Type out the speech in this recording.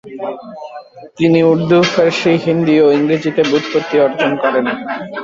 তিনি উর্দু, ফারসি, হিন্দি ও ইংরেজিতে ব্যুৎপত্তি অর্জন করেন।